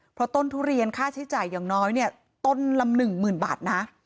เพราะต้นทุเรียนค่าใช้จ่ายอย่างน้อยต้นลำหนึ่งหมื่นบาทนะ